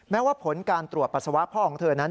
แม้ว่าผลการตรวจปัสสาวะพ่อของเธอนั้น